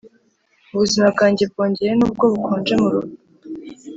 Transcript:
ubuzima bwanjye bwongeye nubwo bukonje mu rupfu: